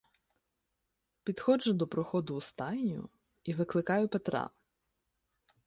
Підходжу до проходу у стайню і викликаю Петра.